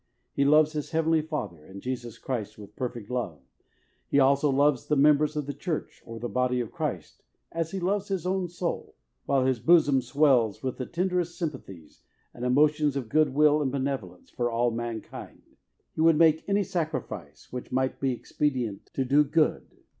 He loves his heavenly Father, and Jesus Christ, with a perfect love. He also loves the members of the Church, or the body of Christ, as he loves his own soul; while his bosom swells with the tenderest sympathies, and emotions of good will and benevolence, for all mankind. He would make any sacrifice which might be expedient, to do good.